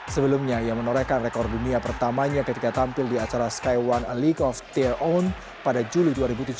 sebelumnya ia menorehkan rekor dunia pertamanya ketika tampil di acara sky one league of their on pada juli dua ribu tujuh belas